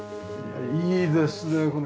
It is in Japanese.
いいですねこれ。